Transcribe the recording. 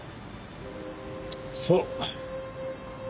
そう。